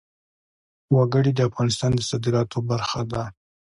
وګړي د افغانستان د صادراتو برخه ده.